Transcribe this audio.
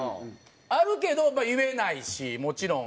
あるけどまあ言えないしもちろん。